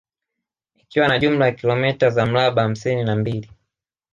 Ikiwa na jumla ya kilomota za mraba hamsini na mbili